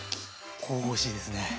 神々しいですね！